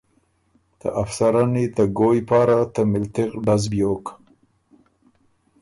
ته افسرنی ته ګویٛ پاره ته ملتِغ ډز بیوک۔